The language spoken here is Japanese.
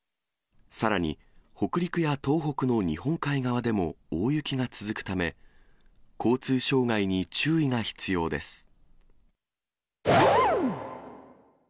さらに、北陸や東北の日本海側でも大雪が続くため、交通障害に注意が必要です。